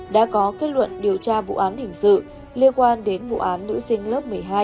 đã có kết luận điều tra vụ án hình sự liên quan đến vụ án nữ sinh lớp một mươi hai